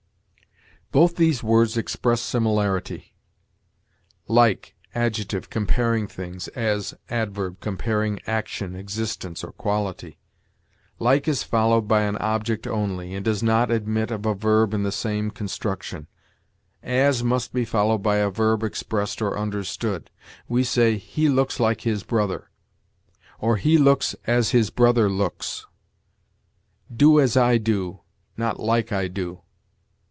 Both these words express similarity; like (adjective) comparing things, as (adverb) comparing action, existence, or quality. Like is followed by an object only, and does not admit of a verb in the same construction. As must be followed by a verb expressed or understood. We say, "He looks like his brother," or "He looks as his brother looks." "Do as I do," not "like I do."